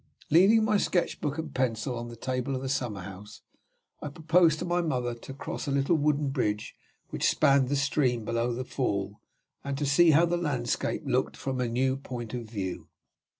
Leaving my sketch book and pencil on the table of the summer house, I proposed to my mother to cross a little wooden bridge which spanned the stream, below the fall, and to see how the landscape looked from a new point of view.